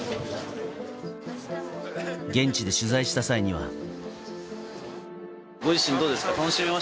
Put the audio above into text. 現地で取材した際には。